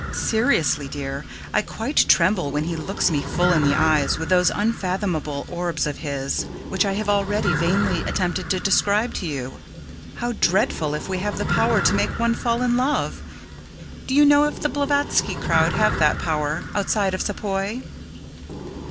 Seriously, dear, I quite tremble when he looks me full in the eyes with those unfathomable orbs of his, which I have already vainly attempted to describe to you. How dreadful if we have the power to make one fall in love! Do you know if the Blavatsky crowd have that power outside of Sepoy?